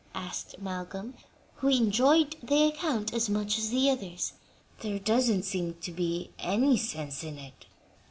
asked Malcolm, who enjoyed the account as much as the others. "There doesn't seem to be any sense in it."